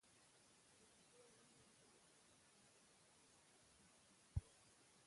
د مېلو له لاري نوی نسل له فرهنګي شتمنیو سره اشنا کېږي.